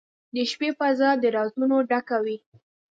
• د شپې فضاء د رازونو ډکه وي.